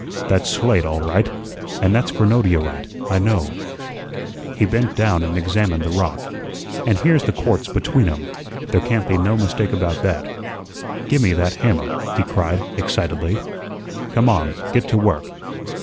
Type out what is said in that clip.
"That's SLATE all right, and that's granodiorite, I know" he bent down and examined the rock "and here's the quartz between 'em; there can't be no mistake about that. Gi' me that hammer," he cried, excitedly. "Come on, git to work.